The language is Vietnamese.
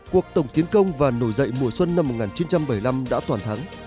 cuộc tổng tiến công và nổi dậy mùa xuân năm một nghìn chín trăm bảy mươi năm đã toàn thắng